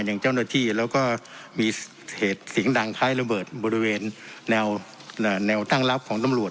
อย่างเจ้าหน้าที่แล้วก็มีเหตุเสียงดังคล้ายระเบิดบริเวณแนวตั้งรับของตำรวจ